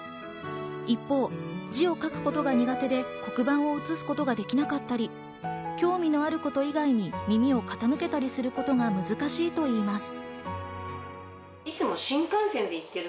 一方、字を書くことが苦手で黒板を写すことができなかったり、興味のあること以外に耳を傾けたりすることが難しいといいます。